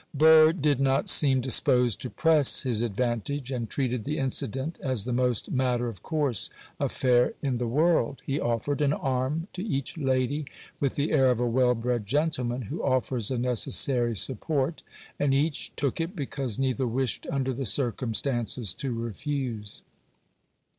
Burr did not seem disposed to press his advantage, and treated the incident as the most matter of course affair in the world. He offered an arm to each lady, with the air of a well bred gentleman, who offers a necessary support; and each took it, because neither wished, under the circumstances, to refuse.